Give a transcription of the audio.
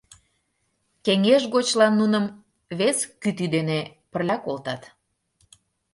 Кеҥеж гочлан нуным вес кӱтӱ дене пырля колтат.